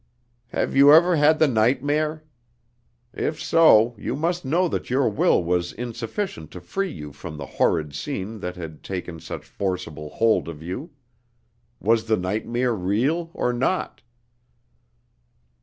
"Have you ever had the nightmare? If so, you must know that your will was insufficient to free you from the horrid scene that had taken such forcible hold of you. Was the nightmare real or not?"